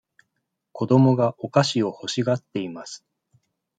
子供がお菓子を欲しがっています。